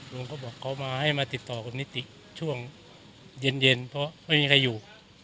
เขาบอกเขามาให้มาติดต่อกับนิติช่วงเย็นเพราะไม่มีใครอยู่